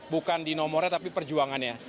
bukan di nomornya tapi perjuangannya